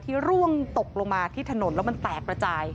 ร่วงตกลงมาที่ถนนแล้วมันแตกระจาย